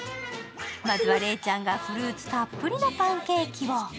まずは、礼ちゃんがフルーツたっぷりのパンケーキを。